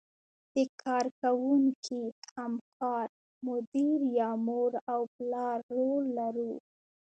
د کار کوونکي، همکار، مدیر یا مور او پلار رول لرو.